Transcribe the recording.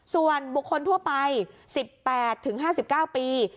ส่วนบุคคลทั่วไป๑๘๕๙ปี